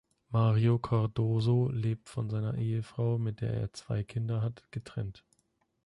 Mario Cardoso lebt von seiner Ehefrau, mit der er zwei Kinder hat, getrennt.